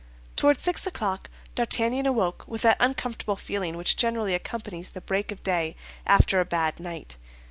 Toward six o'clock D'Artagnan awoke with that uncomfortable feeling which generally accompanies the break of day after a bad night.